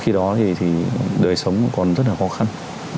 khi đó thì đời sống của con rất là khó khăn